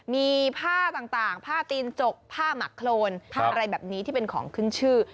มีผ้าต่างผ้าตีนจกผ้าหมักโครนอะไรแบบนี้ที่เป็นของขึ้นชื่อ